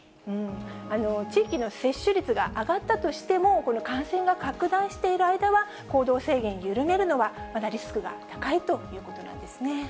地域の接種率が上がったとしても、この感染が拡大している間は、行動制限を緩めるのは、まだリスクが高いということなんですね。